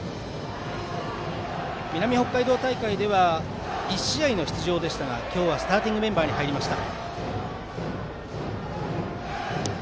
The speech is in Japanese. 南北海道大会では１試合の出場でしたが今日はスターティングメンバーに入りました。